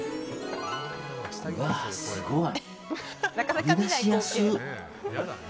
すごい！